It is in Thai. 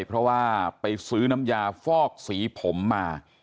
เพราะว่าไปซื้อน้ำยาฟอกสีผมมา